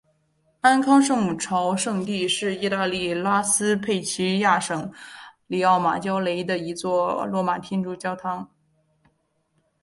安康圣母朝圣地是意大利拉斯佩齐亚省里奥马焦雷的一座罗马天主教教堂。